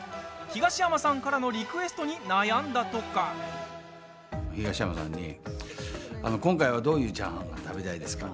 東山さんからのリクエストに東山さんに今回はどういうチャーハンが食べたいですか？